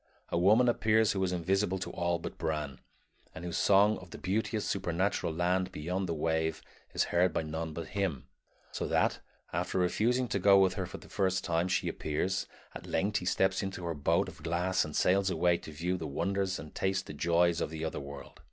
A woman appears who is invisible to all but Bran, and whose song of the beauteous supernatural land beyond the wave is heard by none but him; so that, after refusing to go with her the first time she appears, at length he steps into her boat of glass and sails away to view the wonders and taste the joys of the other world.